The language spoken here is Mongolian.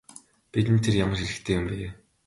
Бидэнд тэр ямар хэрэгтэй юм бэ?